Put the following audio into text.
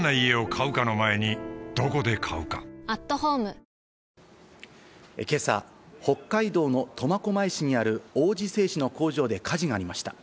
垂水市に到着した両陛下は、今朝、北海道の苫小牧市にある王子製紙の工場で火事がありました。